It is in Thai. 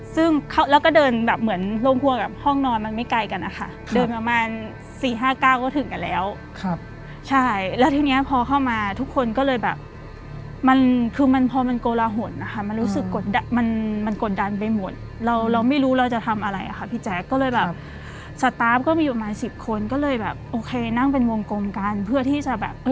ซึ่งเขาแล้วก็เดินแบบเหมือนโรงครัวกับห้องนอนมันไม่ไกลกันนะคะเดินประมาณสี่ห้าเก้าก็ถึงกันแล้วครับใช่แล้วทีเนี้ยพอเข้ามาทุกคนก็เลยแบบมันคือมันพอมันโกละหนนะคะมันรู้สึกกดดันมันมันกดดันไปหมดเราเราไม่รู้เราจะทำอะไรอ่ะค่ะพี่แจ๊คก็เลยแบบสตาร์ฟก็มีประมาณสิบคนก็เลยแบบโอเคนั่งเป็นวงกลมกันเพื่อที่จะแบบ